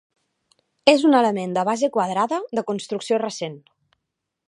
És un element de base quadrada, de construcció recent.